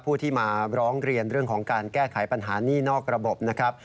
ผู้ที่มาร้องเรียนเรื่องของการแก้ไขปัญหานี่นอกระบบนะครับ